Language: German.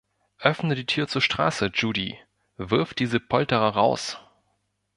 Öffne die Tür zur Straße, Judy; wirf diese Polterer raus!